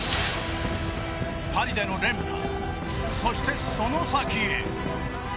パリでの連覇そしてその先へ。